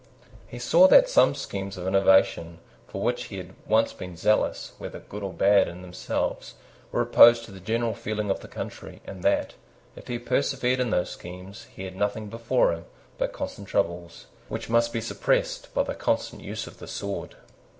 He saw that some schemes of innovation for which he had once been zealous, whether good or bad in themselves, were opposed to the general feeling of the country, and that, if he persevered in those schemes, he had nothing before him but constant troubles, which must be suppressed by the constant use of the sword.